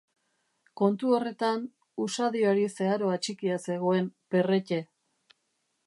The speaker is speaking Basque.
Kontu horretan, usadioari zeharo atxikia zegoen Perrette.